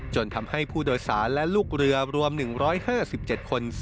ทำให้ผู้โดยสารและลูกเรือรวม๑๕๗คน